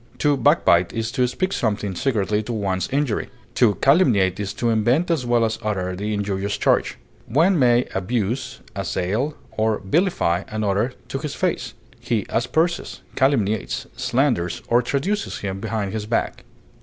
To backbite is to speak something secretly to one's injury; to calumniate is to invent as well as utter the injurious charge. One may "abuse," "assail," or vilify another to his face; he asperses, calumniates, slanders, or traduces him behind his back.